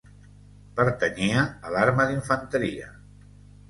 Pertanyia a l'arma d'infanteria.